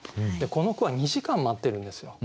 この句は２時間待ってるんですよ。